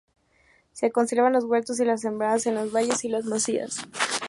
Se conservan los huertos y los sembrados en los valles y las masías.